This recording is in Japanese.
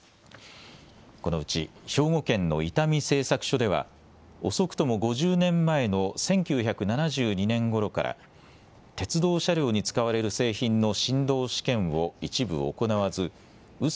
このうち兵庫県の伊丹製作所では遅くとも５０年前の１９７２年ごろから鉄道車両に使われる製品の振動試験を一部行わずう